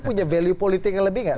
punya value politiknya lebih tidak